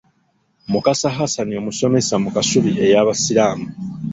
Mukasa Hassan omusomesa mu Kasubi ey'abasiiramu.